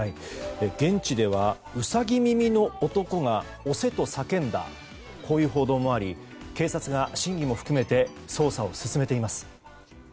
現地では、ウサギ耳の男が押せと叫んだという報道もあり警察が真偽も含めて捜査を進めています。